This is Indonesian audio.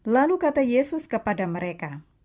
lalu kata yesus kepada mereka